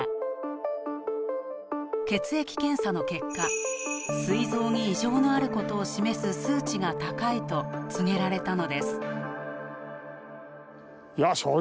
血液検査の結果すい臓に異常のあることを示す数値が高いと告げられたのです。